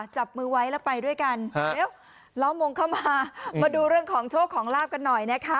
จับมือไว้แล้วไปด้วยกันเดี๋ยวล้อมวงเข้ามามาดูเรื่องของโชคของลาบกันหน่อยนะคะ